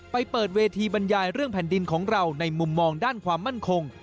เปิดเวทีบรรยายเรื่องแผ่นดินของเราในมุมมองด้านความมั่นคง